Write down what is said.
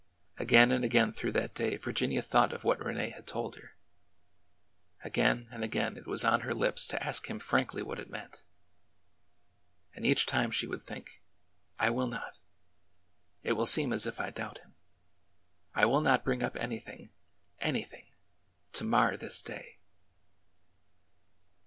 Again and again through that day Virginia thought of what Rene had told her; again and again it was on her lips to ask him frankly what it meant. And each time she would think : I will not ! It will seem as if I doubt him. I will not bring up anything — anything— to mar this day